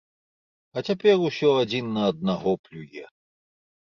А цяпер усе адзін на аднаго плюе.